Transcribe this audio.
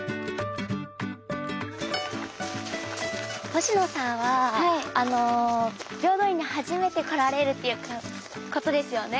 星名さんは平等院に初めて来られるっていうことですよね。